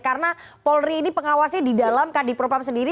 karena polri ini pengawasnya di dalam kandipropam sendiri